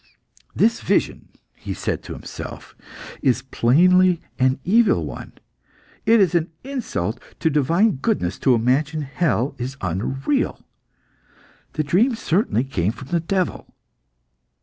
"This vision," he said to himself, "is plainly an evil one; it is an insult to divine goodness to imagine hell is unreal. The dream certainly came from the devil."